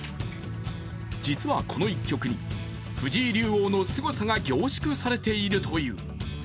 実はこの１局に藤井竜王のすごさが凝縮されているという。